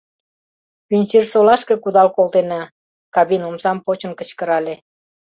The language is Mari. Пӱнчерсолашке кудал колтена, — кабин омсам почын кычкырале.